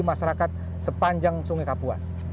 masyarakat sepanjang sungai kapuas